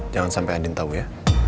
jangan sampai andin tau ya